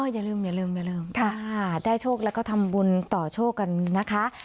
อย่าลืมได้โชคแล้วก็ทำบุญต่อโชคกันนะคะ